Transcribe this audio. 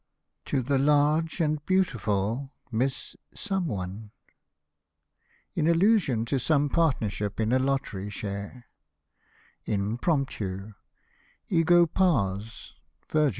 TO THE LARGE AND BEAUTIFUL MISS IN ALLUSION TO SOME PARTNERSHIP IN A LOTTERY SHARE Imp7'0mptic — Ego pars ViRG.